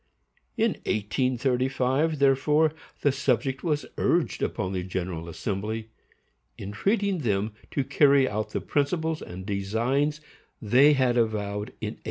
In 1835, therefore, the subject was urged upon the General Assembly, entreating them to carry out the principles and designs they had avowed in 1818.